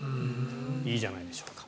いいじゃないでしょうか。